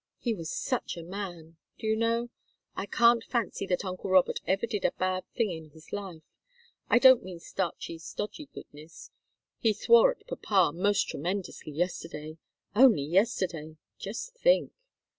He was such a man! Do you know? I can't fancy that uncle Robert ever did a bad thing in his life. I don't mean starchy, stodgy goodness. He swore at papa most tremendously yesterday only yesterday just think!"